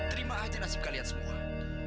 terima aja nasib kalian semua